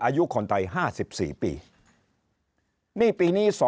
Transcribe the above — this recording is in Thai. อายุคนไทย๕๔ปีนี่ปีนี้